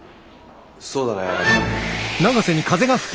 そうだね。